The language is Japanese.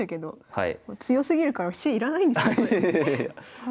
はい。